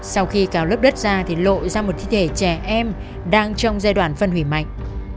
sau khi cào lớp đất ra thì lộ ra một thi thể trẻ em đang trong giai đoạn phân hủy mạnh